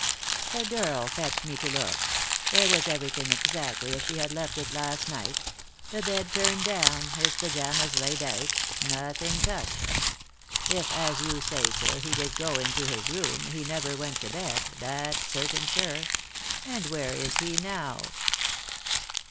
"The girl fetched me to look There was every thing exactly as she had left it last night — the bed turned down, his pyjamas laid out, nothing touched. If, as you say, sir, he did go into his room, he never went to bed, that's certain sure. And where is he now